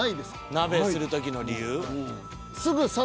鍋する時の理由？